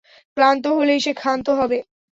ক্লান্ত হলেই সে ক্ষান্ত হবে।